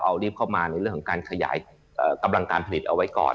เอารีบเข้ามาในเรื่องของการขยายกำลังการผลิตเอาไว้ก่อน